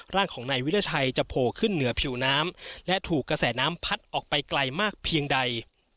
ร่างของนายวิราชัยจะโผล่ขึ้นเหนือผิวน้ำและถูกกระแสน้ำพัดออกไปไกลมากเพียงใด